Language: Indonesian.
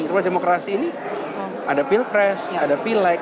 karena demokrasi ini ada pilpres ada pilek